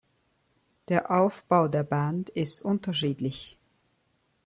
Der Aufbau der Band ist unterschiedlich.